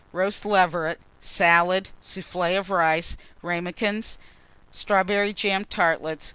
Roast Leveret. Salad. Soufflé of Rice. Ramekins. Strawberry jam Tartlets.